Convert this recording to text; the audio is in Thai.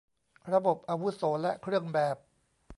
ระบบอาวุโส และเครื่องแบบ